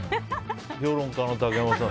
評論家の竹山さん